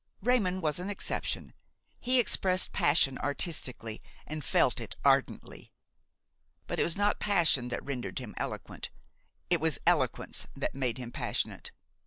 Raymon was an exception; he expressed passion artistically and felt it ardently. But it was not passion that rendered him eloquent, it was eloquence that made him passionate.